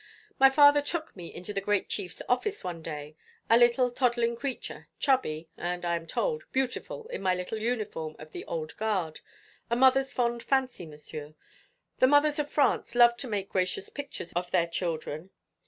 My father took me into the great chief's office one day, a little toddling creature, chubby, and, I am told, beautiful, in my little uniform of the Old Guard, a mother's fond fancy, Monsieur; the mothers of France love to make gracious pictures of their children.